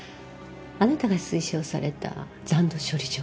あなたが推奨された残土処理場。